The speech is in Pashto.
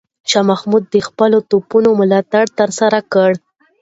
شاه محمود د خپلو توپونو ملاتړ ترلاسه کړ.